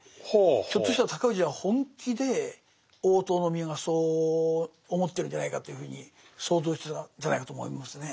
ひょっとしたら高氏は本気で大塔宮がそう思ってるんじゃないかというふうに想像してたんじゃないかと思いますね。